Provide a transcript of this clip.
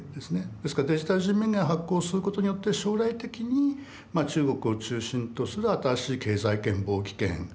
ですからデジタル人民元を発行することによって将来的に中国を中心とする新しい経済圏貿易圏通貨圏を作っていくと。